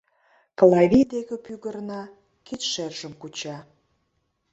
Клавий деке пӱгырна, кидшержым куча.